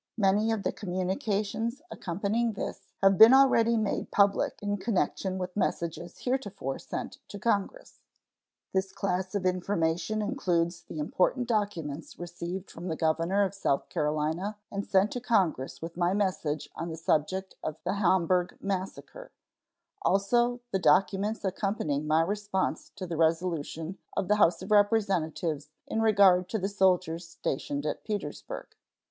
Many of the communications accompanying this have been already made public in connection with messages heretofore sent to Congress. This class of information includes the important documents received from the governor of South Carolina and sent to Congress with my message on the subject of the Hamburg massacre; also the documents accompanying my response to the resolution of the House of Representatives in regard to the soldiers stationed at Petersburg.